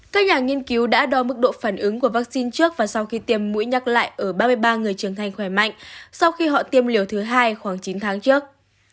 các nhà nghiên cứu đã đo mức độ phản ứng của vaccine trước và sau khi tiêm mũi nhắc lại ở ba mươi ba người trưởng thành khỏe mạnh sau khi họ tiêm liều thứ hai khoảng chín tháng trước